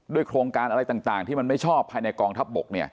โครงการอะไรต่างที่มันไม่ชอบภายในกองทัพบก